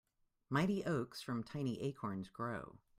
Mighty oaks from tiny acorns grow.